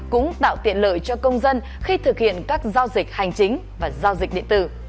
cũng tạo tiện lợi cho công dân khi thực hiện các giao dịch hành chính và giao dịch điện tử